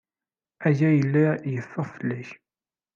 Aya yella yeffeɣ fell-ak.